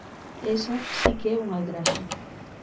Esa si que é unha aldraxe.